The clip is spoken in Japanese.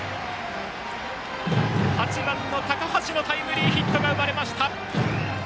８番の高橋のタイムリーヒットが生まれました。